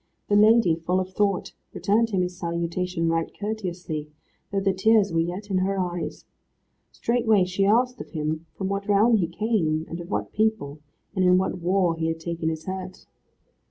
The lady, full of thought, returned him his salutation right courteously, though the tears were yet in her eyes. Straightway she asked of him from what realm he came, and of what people, and in what war he had taken his hurt.